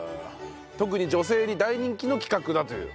特に女性に大人気の企画だという。